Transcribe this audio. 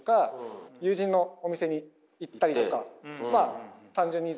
友人のお店に行ったりとか。